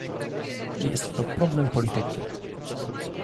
Jest to problem polityki